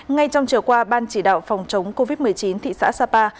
ngay trong chiều qua ban chỉ đạo phòng chống covid một mươi chín thị xã sapa